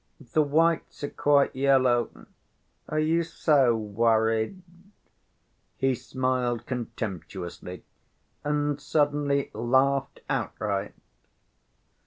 The whites are quite yellow. Are you so worried?" He smiled contemptuously and suddenly laughed outright.